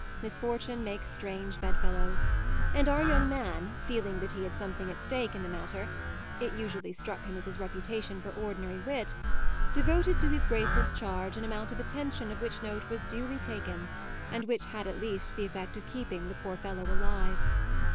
Misfortune makes strange bedfellows, and our young man, feeling that he had something at stake in the matter it usually struck him as his reputation for ordinary wit devoted to his graceless charge an amount of attention of which note was duly taken and which had at least the effect of keeping the poor fellow alive.